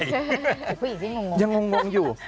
คือผู้หญิงที่งงอยู่